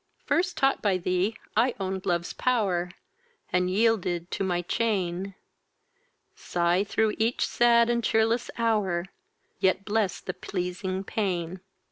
First taught by thee I own'd love's pow'r, And yielded to my chain; Sigh through each sad and cheerless hour, Yet bless the pleasing pain.